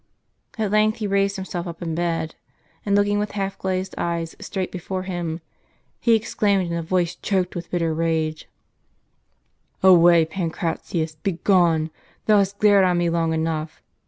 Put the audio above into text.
At length he raised himself up in bed, and looking with half glazed eyes straight before him, he exclaimed in a voice choked with bitter rage :" Away, Pancratius, begone ! Thou hast glared on me long enough.